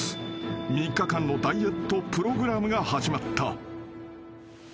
［３日間のダイエットプログラムが始まった］